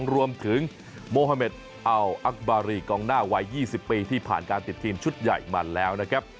รวมถึงโมฮาเมดอัลอักบารีกองหน้าวัย๒๐ปีที่ผ่านการติดทีมชุดใหญ่มาแล้วนะครับ